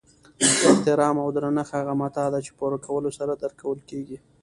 احترام او درنښت هغه متاع ده چی په ورکولو سره درکول کیږي